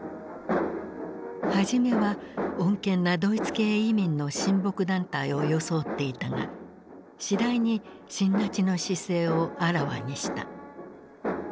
初めは穏健なドイツ系移民の親睦団体を装っていたが次第に親ナチの姿勢をあらわにした。